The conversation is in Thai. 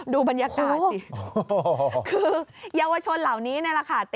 ดูบรรยากาศ